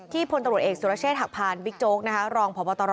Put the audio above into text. ที่พลตรวจเอกสุรเชษฐ์หักพานบิ๊กโจ๊กนะครับ